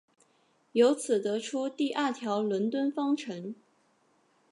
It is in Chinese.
由此得出第二条伦敦方程。